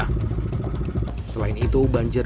selain itu banjir yang terjadi di kampung jawa timur